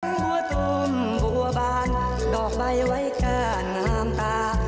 บังบัวตุ้มบัวบานดอกใบไว้ก้านห้ามตา